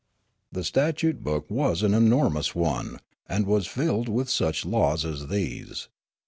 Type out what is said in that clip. The statnte book was an enormous one, and was filled with such laws as these.